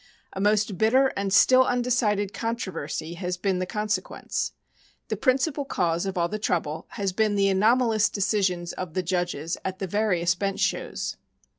A most bitter and still undecided controversy has been the con sequence. The principal cause of all the trouble has been the anomalous decisions of the judges at the various bench shows.